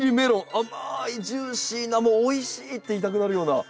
甘いジューシーなもう「おいしい！」って言いたくなるような。